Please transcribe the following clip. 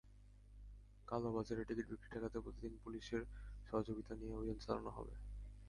কালোবাজারে ticket বিক্রি ঠেকাতে প্রতিদিন পুলিশের সহযোগিতা নিয়ে অভিযান চালানো হবে।